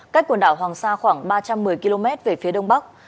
cách quần đảo hoàng sa khoảng ba trăm một mươi km về phía đông bắc